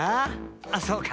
あそうか。